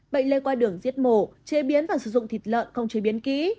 bệnh lây qua đường giết mổ chế biến và sử dụng thịt lợn không chế biến kỹ